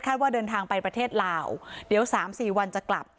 ว่าเดินทางไปประเทศลาวเดี๋ยว๓๔วันจะกลับ